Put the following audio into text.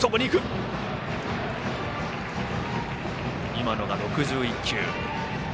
今のが６１球。